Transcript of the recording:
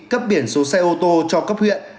cấp biển số xe ô tô cho cấp huyện